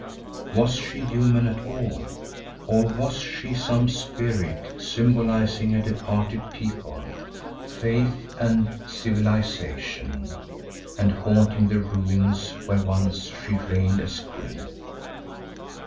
Was she human at all, or was she some spirit symbolising a departed people, faith and civilisation, and haunting the ruins where once she reigned as queen?